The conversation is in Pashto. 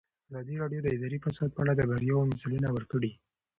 ازادي راډیو د اداري فساد په اړه د بریاوو مثالونه ورکړي.